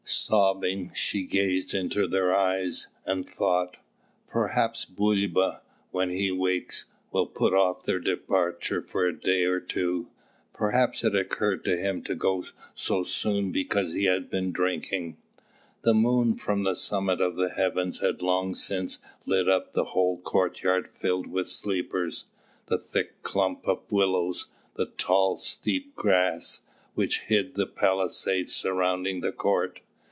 Sobbing, she gazed into their eyes, and thought, "Perhaps Bulba, when he wakes, will put off their departure for a day or two; perhaps it occurred to him to go so soon because he had been drinking." The moon from the summit of the heavens had long since lit up the whole courtyard filled with sleepers, the thick clump of willows, and the tall steppe grass, which hid the palisade surrounding the court.